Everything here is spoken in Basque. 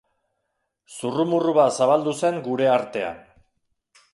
Zurrumurru bat zabaldu zen gure artean.